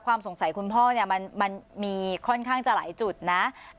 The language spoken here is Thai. สงสัยคุณพ่อเนี่ยมันมีค่อนข้างจะหลายจุดนะ